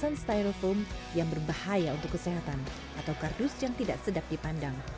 orang tidak lagi membeli makanan dalam kemasan styrofoam yang berbahaya untuk kesehatan atau kardus yang tidak sedap dipandang